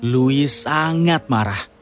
louis sangat marah